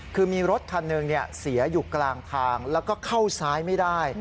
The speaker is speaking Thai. คือมีรถคันหนึ่งเสียอยู่กลางทางแล้วก็เข้าซ้ายไม่ได้